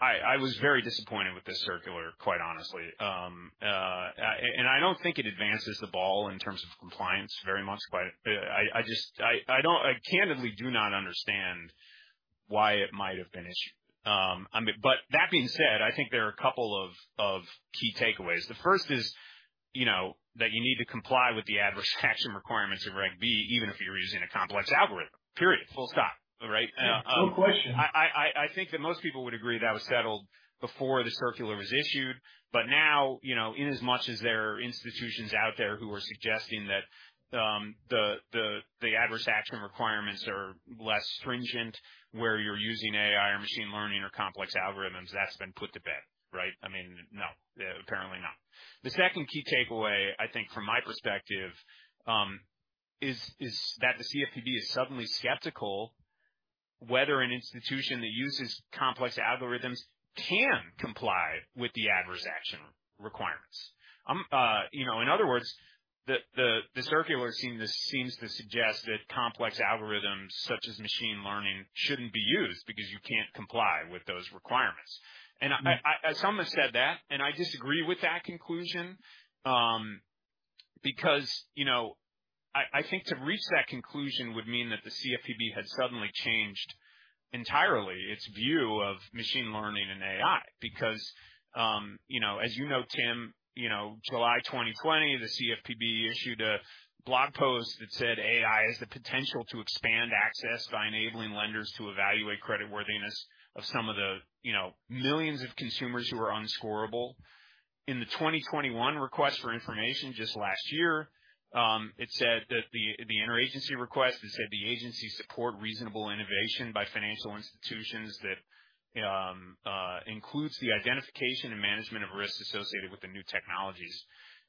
I was very disappointed with this circular, quite honestly. I don't think it advances the ball in terms of compliance very much. I just, I don't, I candidly do not understand why it might have been issued. That being said, I think there are a couple of key takeaways. The first is, you know, that you need to comply with the adverse action requirements of Reg B, even if you're using a complex algorithm, period, full stop, right? No question. I think that most people would agree that was settled before the circular was issued. Now, you know, in as much as there are institutions out there who are suggesting that the adverse action requirements are less stringent where you're using AI or machine learning or complex algorithms, that's been put to bed, right? I mean, no, apparently not. The second key takeaway, I think from my perspective, is that the CFPB is suddenly skeptical whether an institution that uses complex algorithms can comply with the adverse action requirements. You know, in other words, the circular seems to suggest that complex algorithms such as machine learning shouldn't be used because you can't comply with those requirements. Some have said that, and I disagree with that conclusion because, you know, I think to reach that conclusion would mean that the CFPB had suddenly changed entirely its view of machine learning and AI because, you know, as you know, Tim, you know, July 2020, the CFPB issued a blog post that said AI has the potential to expand access by enabling lenders to evaluate creditworthiness of some of the, you know, millions of consumers who are unscorable. In the 2021 request for information, just last year, it said that the interagency request, it said the agency support reasonable innovation by financial institutions that includes the identification and management of risk associated with the new technologies.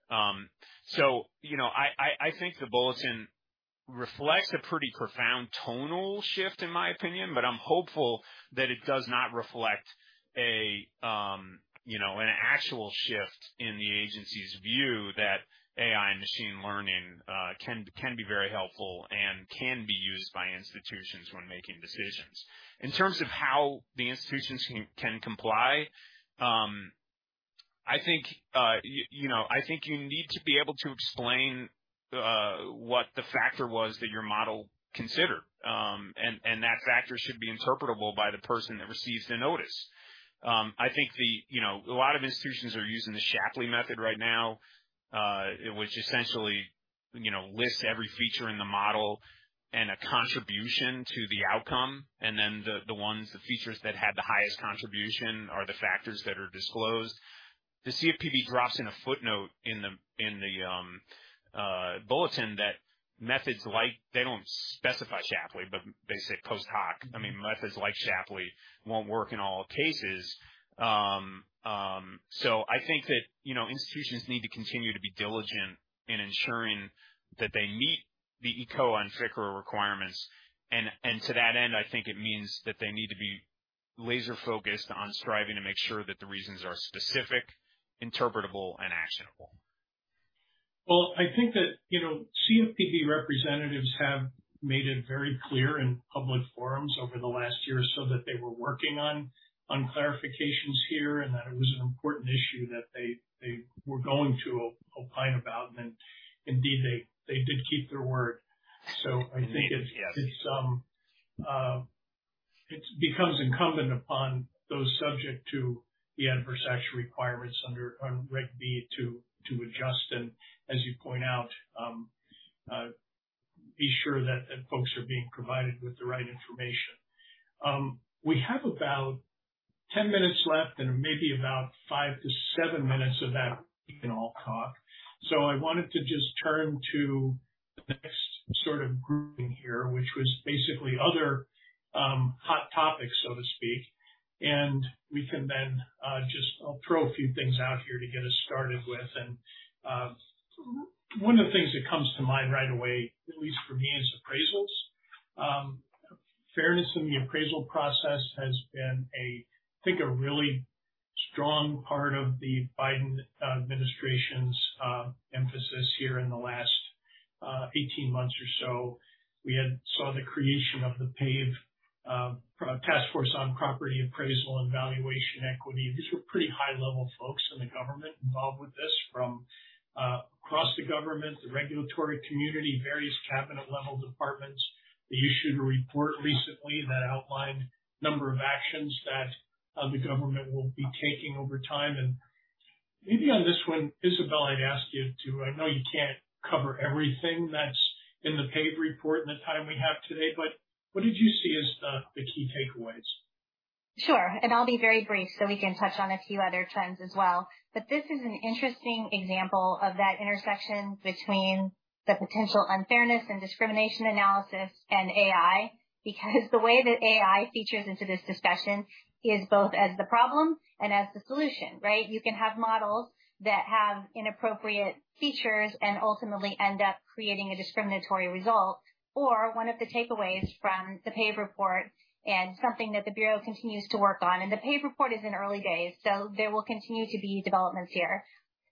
You know, I think the bulletin reflects a pretty profound tonal shift, in my opinion, but I'm hopeful that it does not reflect a, you know, an actual shift in the agency's view that AI and machine learning can be very helpful and can be used by institutions when making decisions. In terms of how the institutions can comply, I think, you know, I think you need to be able to explain what the factor was that your model considered. That factor should be interpretable by the person that receives the notice. I think a lot of institutions are using the Shapley method right now, which essentially, you know, lists every feature in the model and a contribution to the outcome. The ones, the features that had the highest contribution are the factors that are disclosed. The CFPB drops in a footnote in the bulletin that methods like, they don't specify Shapley, but they say post hoc, I mean, methods like Shapley won't work in all cases. I think that, you know, institutions need to continue to be diligent in ensuring that they meet the ECOA and FCRA requirements. To that end, I think it means that they need to be laser-focused on striving to make sure that the reasons are specific, interpretable, and actionable. I think that, you know, CFPB representatives have made it very clear in public forums over the last year or so that they were working on clarifications here and that it was an important issue that they were going to opine about. Indeed, they did keep their word. I think it becomes incumbent upon those subject to the adverse action requirements under Reg B to adjust and, as you point out, be sure that folks are being provided with the right information. We have about 10 minutes left and maybe about five to seven minutes of that all talk. I wanted to just turn to the next sort of grouping here, which was basically other hot topics, so to speak. We can then just throw a few things out here to get us started with. One of the things that comes to mind right away, at least for me, is appraisals. Fairness in the appraisal process has been, I think, a really strong part of the Biden administration's emphasis here in the last 18 months or so. We saw the creation of the PAVE Task Force on Property Appraisal and Valuation Equity. These were pretty high-level folks in the government involved with this from across the government, the regulatory community, various cabinet-level departments. You issued a report recently that outlined a number of actions that the government will be taking over time. Maybe on this one, Isabelle, I'd ask you to, I know you can't cover everything that's in the PAVE report in the time we have today, but what did you see as the key takeaways? Sure. I'll be very brief so we can touch on a few other trends as well. This is an interesting example of that intersection between the potential unfairness and discrimination analysis and AI because the way that AI features into this discussion is both as the problem and as the solution, right? You can have models that have inappropriate features and ultimately end up creating a discriminatory result or one of the takeaways from the PAVE report and something that the bureau continues to work on. The PAVE report is in early days, so there will continue to be developments here.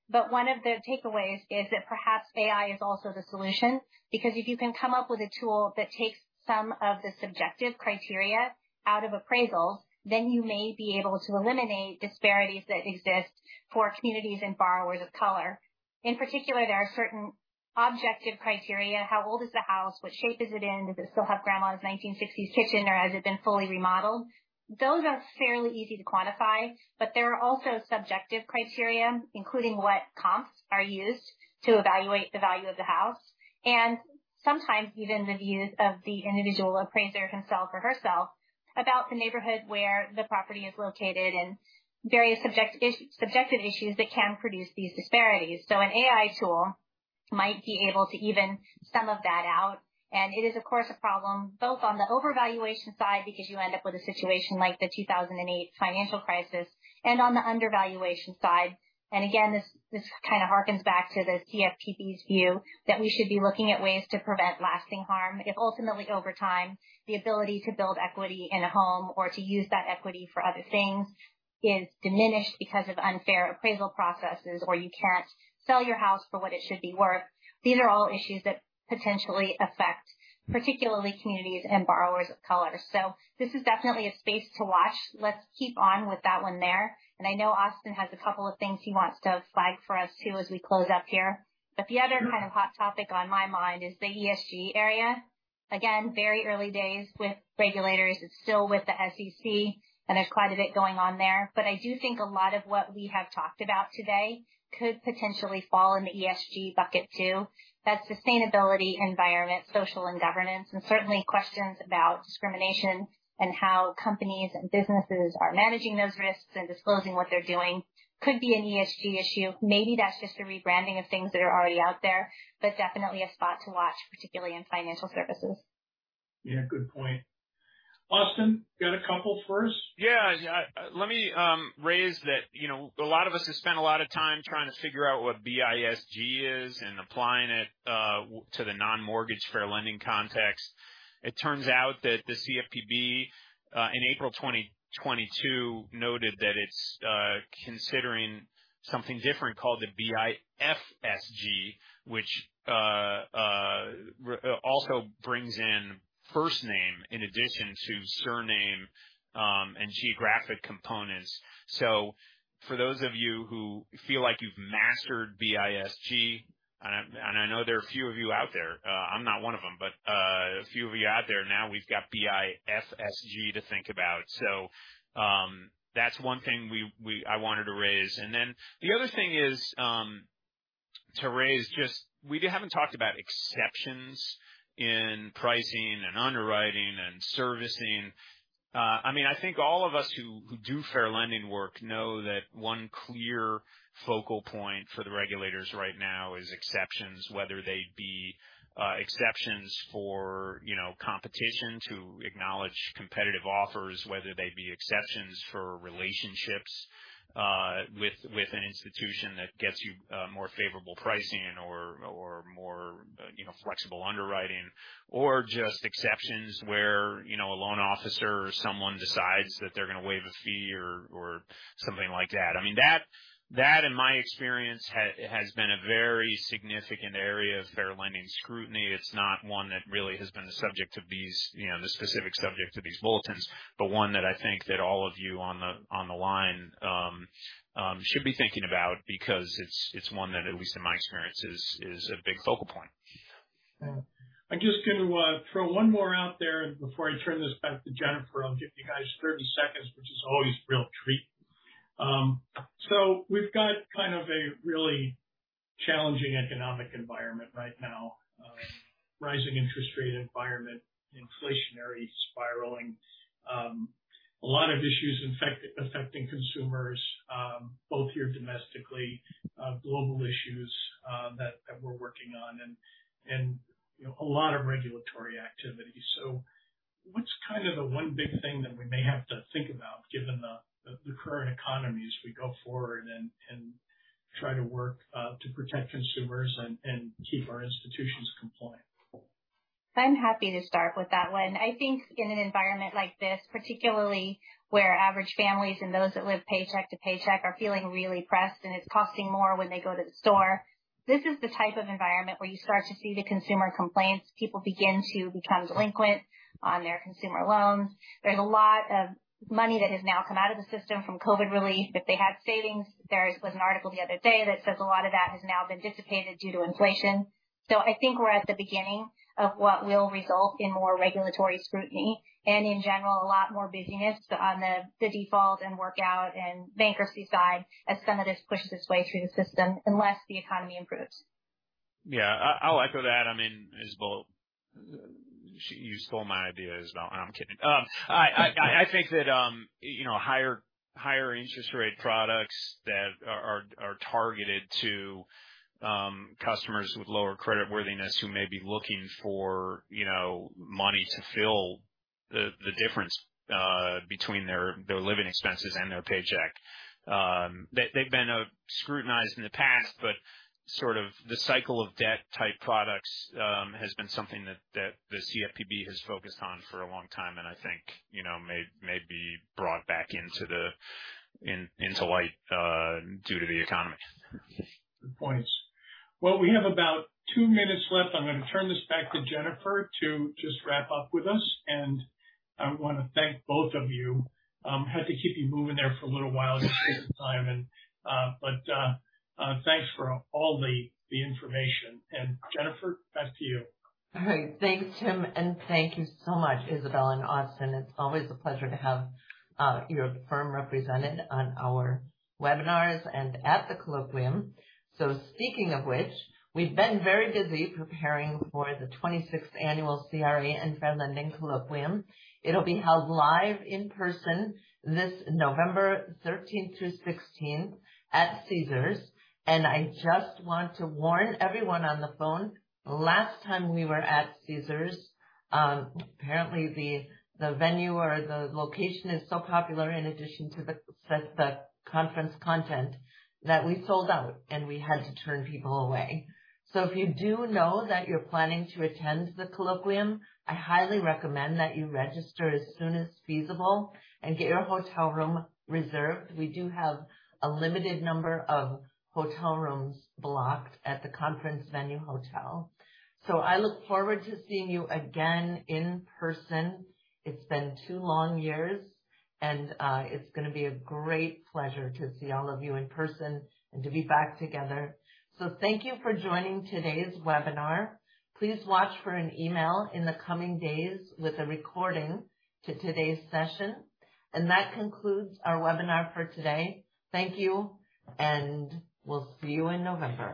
One of the takeaways is that perhaps AI is also the solution because if you can come up with a tool that takes some of the subjective criteria out of appraisals, then you may be able to eliminate disparities that exist for communities and borrowers of color. In particular, there are certain objective criteria. How old is the house? What shape is it in? Does it still have grandma's 1960s kitchen, or has it been fully remodeled? Those are fairly easy to quantify, but there are also subjective criteria, including what comps are used to evaluate the value of the house. Sometimes even the views of the individual appraiser himself or herself about the neighborhood where the property is located and various subjective issues can produce these disparities. An AI tool might be able to even sum of that out. It is, of course, a problem both on the overvaluation side because you end up with a situation like the 2008 financial crisis and on the undervaluation side. Again, this kind of harkens back to the CFPB's view that we should be looking at ways to prevent lasting harm if ultimately over time, the ability to build equity in a home or to use that equity for other things is diminished because of unfair appraisal processes or you cannot sell your house for what it should be worth. These are all issues that potentially affect particularly communities and borrowers of color. This is definitely a space to watch. Let's keep on with that one there. I know Austin has a couple of things he wants to flag for us too as we close up here. The other kind of hot topic on my mind is the ESG area. Again, very early days with regulators. It is still with the SEC, and there is quite a bit going on there. I do think a lot of what we have talked about today could potentially fall in the ESG bucket too. That is sustainability, environment, social, and governance. Certainly questions about discrimination and how companies and businesses are managing those risks and disclosing what they are doing could be an ESG issue. Maybe that is just a rebranding of things that are already out there, but definitely a spot to watch, particularly in financial services. Yeah, good point. Austin, got a couple for us? Yeah. Let me raise that, you know, a lot of us have spent a lot of time trying to figure out what BISG is and applying it to the non-mortgage fair lending context. It turns out that the CFPB in April 2022 noted that it's considering something different called the BIFSG, which also brings in first name in addition to surname and geographic components. For those of you who feel like you've mastered BISG, and I know there are a few of you out there, I'm not one of them, but a few of you out there now, we've got BIFSG to think about. That's one thing I wanted to raise. The other thing is to raise just, we haven't talked about exceptions in pricing and underwriting and servicing. I mean, I think all of us who do fair lending work know that one clear focal point for the regulators right now is exceptions, whether they be exceptions for, you know, competition to acknowledge competitive offers, whether they be exceptions for relationships with an institution that gets you more favorable pricing or more, you know, flexible underwriting, or just exceptions where, you know, a loan officer or someone decides that they're going to waive a fee or something like that. I mean, that, in my experience, has been a very significant area of fair lending scrutiny. It's not one that really has been the subject of these, you know, the specific subject of these bulletins, but one that I think that all of you on the line should be thinking about because it's one that, at least in my experience, is a big focal point. I'm just going to throw one more out there before I turn this back to Jennifer. I'll give you guys 30 seconds, which is always a real treat. We've got kind of a really challenging economic environment right now, rising interest rate environment, inflationary spiraling, a lot of issues affecting consumers, both here domestically, global issues that we're working on, and a lot of regulatory activity. What's kind of the one big thing that we may have to think about given the current economy as we go forward and try to work to protect consumers and keep our institutions compliant? I'm happy to start with that one. I think in an environment like this, particularly where average families and those that live paycheck to paycheck are feeling really pressed and it's costing more when they go to the store, this is the type of environment where you start to see the consumer complaints. People begin to become delinquent on their consumer loans. There's a lot of money that has now come out of the system from COVID relief. If they had savings, there was an article the other day that says a lot of that has now been dissipated due to inflation. I think we're at the beginning of what will result in more regulatory scrutiny and in general, a lot more busyness on the default and workout and bankruptcy side as some of this pushes its way through the system unless the economy improves. Yeah, I'll echo that. I mean, Isabelle, you stole my idea, Isabelle. I'm kidding. I think that, you know, higher interest rate products that are targeted to customers with lower creditworthiness who may be looking for, you know, money to fill the difference between their living expenses and their paycheck. They've been scrutinized in the past, but sort of the cycle of debt type products has been something that the CFPB has focused on for a long time and I think, you know, may be brought back into light due to the economy. Good points. We have about two minutes left. I'm going to turn this back to Jennifer to just wrap up with us. I want to thank both of you. Had to keep you moving there for a little while to save time. Thanks for all the information. Jennifer, back to you. All right. Thanks, Tim. And thank you so much, Isabelle and Austin. It's always a pleasure to have your firm represented on our webinars and at the colloquium. Speaking of which, we've been very busy preparing for the 26th Annual CRA and Fair Lending Colloquium. It'll be held live in person this November 13th through 16th at Caesars. I just want to warn everyone on the phone, last time we were at Caesars, apparently the venue or the location is so popular in addition to the conference content that we sold out and we had to turn people away. If you do know that you're planning to attend the colloquium, I highly recommend that you register as soon as feasible and get your hotel room reserved. We do have a limited number of hotel rooms blocked at the conference venue hotel. I look forward to seeing you again in person. It's been two long years, and it's going to be a great pleasure to see all of you in person and to be back together. Thank you for joining today's webinar. Please watch for an email in the coming days with a recording to today's session. That concludes our webinar for today. Thank you, and we'll see you in November.